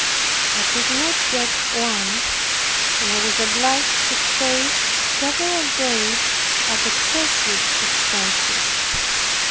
I could not get one, and was obliged to stay several days at excessive expenses.